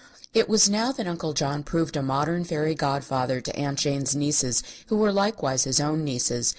It was now that Uncle John proved a modern fairy godfather to Aunt Jane's nieces who were likewise his own nieces.